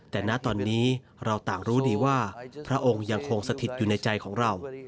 แต่ณตอนนี้เราต่างรู้ดีว่าพระองค์ยังคงสถิตอยู่ในใจของเรา